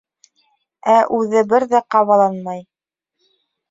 Ә үҙе бер ҙә ҡабаланмай.